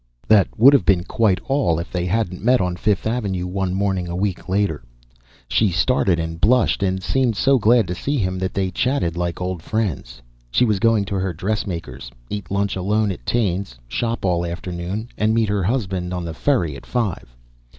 That would have been quite all if they hadn't met on Fifth Avenue one morning a week later. She started and blushed and seemed so glad to see him that they chatted like old friends. She was going to her dressmaker's, eat lunch alone at Taine's, shop all afternoon, and meet her husband on the ferry at five.